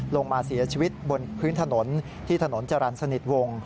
ลงมาเสียชีวิตบนพื้นถนนที่ถนนจรรย์สนิทวง